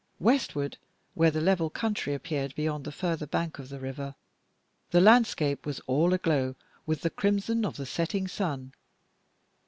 Westward, where the level country appeared beyond the further bank of the river, the landscape was all aglow with the crimson of the setting sun.